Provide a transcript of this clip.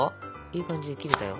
いい感じで切れたよ。